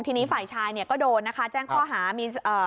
ทีนี้ฝ่ายชายเนี่ยก็โดนนะคะแจ้งข้อหามีเอ่อ